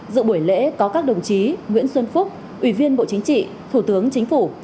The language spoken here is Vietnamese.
dự buổi lễ có các đồng chí nguyễn xuân phúc ủy viên bộ chính trị thủ tướng chính phủ